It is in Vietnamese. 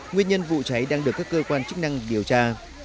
nguyên nhân vụ cháy đang được các cơ quan chức năng điều tra